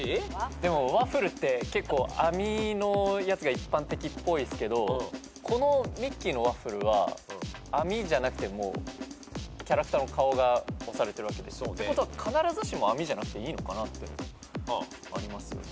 でもワッフルって結構網のやつが一般的っぽいっすけどこのミッキーのワッフルは網じゃなくてもうキャラクターの顔が押されてる。ってことは必ずしも網じゃなくていいのかなってなりますよね？